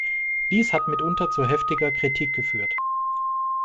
Dies hat mitunter zu heftiger Kritik geführt.